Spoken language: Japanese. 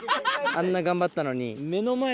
あんな頑張ったのに。